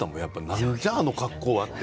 何じゃ、あの格好はって。